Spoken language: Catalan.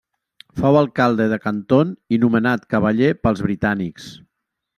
Fou alcalde de Canton i nomenat cavaller pels britànics.